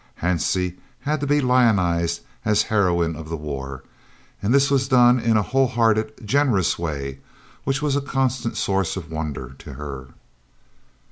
Hansie had to be "lionised" as heroine of the war, and this was done in a whole hearted, generous way which was a constant source of wonder to her.